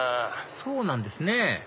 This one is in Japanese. そうなんですね